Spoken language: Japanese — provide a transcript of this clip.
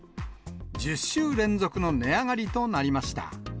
１０週連続の値上がりとなりました。